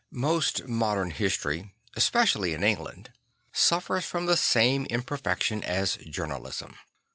Iost modern history, especially in England, suffers from the same imperfection as journalism.